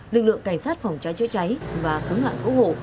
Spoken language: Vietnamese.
lực lượng cảnh sát phòng cháy chữa cháy và cướng loạn cố hộ